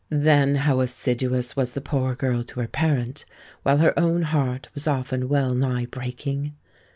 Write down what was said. Then how assiduous was the poor girl to her parent, while her own heart was often well nigh breaking!